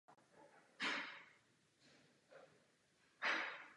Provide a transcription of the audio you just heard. K této písní byl také natočen videoklip.